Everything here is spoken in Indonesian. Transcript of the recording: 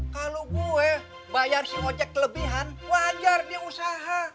kalau gue bayar si ngocet kelebihan wajar diusaha